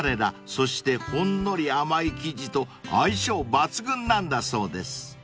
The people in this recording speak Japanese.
そしてほんのり甘い生地と相性抜群なんだそうです］